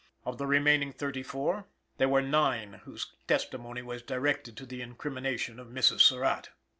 Of the remaining thirty four there were nine whose testimony was directed to the incrimination of Mrs. Surratt.